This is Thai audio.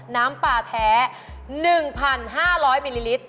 น้ำปลาแท้๑๕๐๐มิลลิลิตร